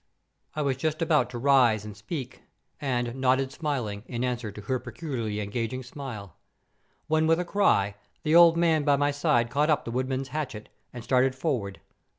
I was just about to rise and speak, and nodded smiling, in answer to her peculiarly engaging smile; when with a cry, the old man by my side caught up the woodman's hatchet, and started forward.